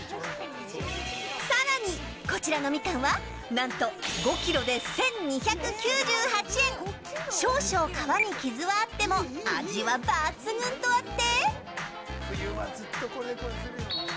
さらにこちらのミカンは何と、５キロで１２９８円少々、皮に傷はあっても味は抜群とあって。